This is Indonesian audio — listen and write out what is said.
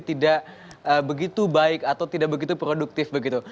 tidak begitu baik atau tidak begitu produktif begitu